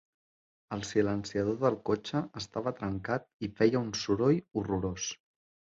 El silenciador del cotxe estava trencat i feia un soroll horrorós